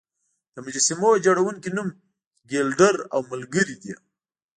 د مجسمو جوړونکي نوم ګیلډر او ملګري دی.